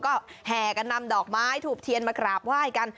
ก็แห่กันนำดอกไม้ถูกเทียนมากราบไหว้กัน